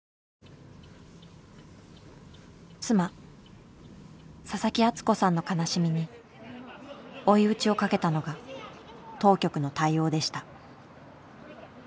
妻佐々木敦子さんの悲しみに追い打ちをかけたのが当局の対応でした。